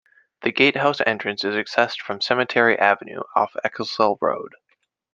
The Gatehouse entrance is accessed from Cemetery Avenue off Eccelsall Road.